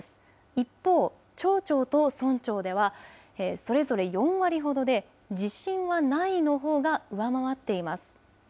一方、町長と村長ではそれぞれ４割ほどで、自信はないのほうが上回っています。